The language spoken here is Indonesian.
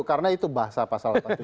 karena itu bahasa pasal delapan puluh tujuh